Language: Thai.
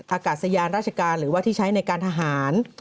อากาศยานราชการหรือว่าที่ใช้ในการทหาร